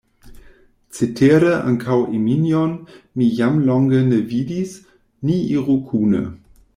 Cetere ankaŭ Eminjon mi jam longe ne vidis, ni iru kune.